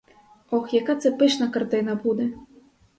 Ох, яка це пишна картина буде!